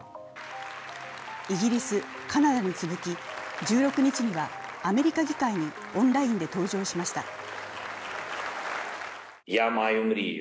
イギリス、カナダに続き１６日にはアメリカ議会にオンラインで登場しました。